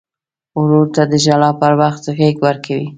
ورور ته د ژړا پر وخت غېږ ورکوي.